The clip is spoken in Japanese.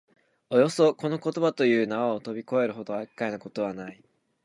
およそこの言葉という縄をとび越えるほど厄介なことはない